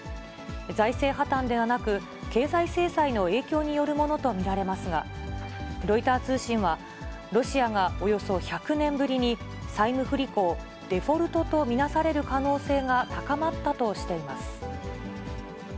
財政破綻ではなく、経済制裁の影響によるものと見られますが、ロイター通信は、ロシアがおよそ１００年ぶりに、債務不履行・デフォルトと見なされる可能性が高まったとしています。